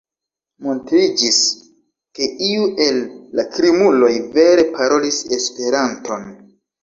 Montriĝis, ke iu el la krimuloj vere parolis Esperanton.